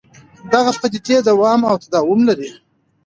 دغه پدیدې دوام او تداوم لري.